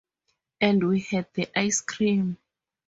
And we had the ice cream.